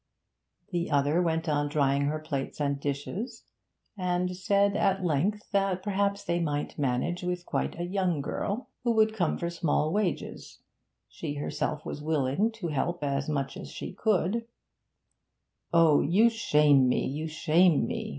The other went on drying her plates and dishes, and said at length that perhaps they might manage with quite a young girl, who would come for small wages; she herself was willing to help as much as she could 'Oh, you shame me, you shame me!'